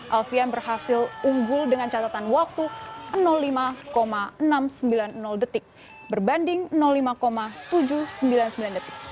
alfian berhasil unggul dengan catatan waktu lima enam ratus sembilan puluh detik berbanding lima tujuh ratus sembilan puluh sembilan detik